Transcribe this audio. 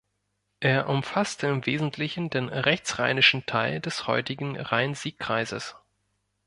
Er umfasste im Wesentlichen den rechtsrheinischen Teil des heutigen Rhein-Sieg-Kreises.